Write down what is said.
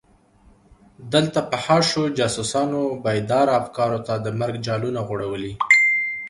دلته فحاشو جاسوسانو بېداره افکارو ته د مرګ جالونه غوړولي.